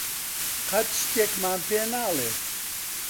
قەت شتێکمان پێ ناڵێت.